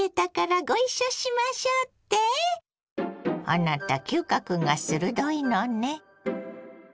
あなた嗅覚が鋭いのね。